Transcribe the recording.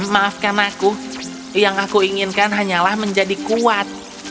maafkan aku yang aku inginkan hanyalah menjadi kuat